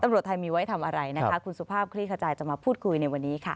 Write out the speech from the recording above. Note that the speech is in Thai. ตำรวจไทยมีไว้ทำอะไรนะคะคุณสุภาพคลี่ขจายจะมาพูดคุยในวันนี้ค่ะ